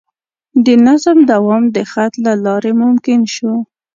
د نظم دوام د خط له لارې ممکن شو.